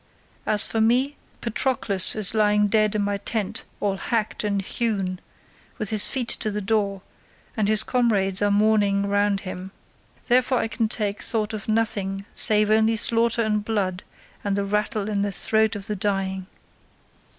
As for me, Patroclus is lying dead in my tent, all hacked and hewn, with his feet to the door, and his comrades are mourning round him. Therefore I can take thought of nothing save only slaughter and blood and the rattle in the throat of the dying."